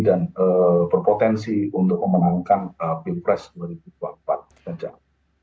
dan juga menurut saya elektabilitasnya paling tinggi dan berpotensi untuk memenangkan pilpres dua ribu dua puluh empat